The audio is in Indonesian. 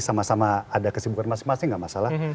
sama sama ada kesibukan masing masing nggak masalah